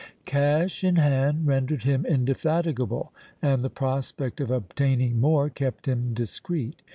Cash in hand rendered him indefatigable and the prospect of obtaining more kept him discreet.